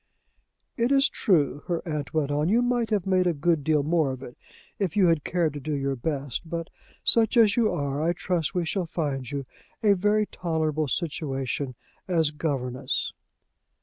"It is true," her aunt went on, "you might have made a good deal more of it, if you had cared to do your best; but, such as you are, I trust we shall find you a very tolerable situation as governess."